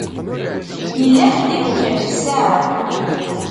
Yella ḥedd i yukren ssaɛa-w.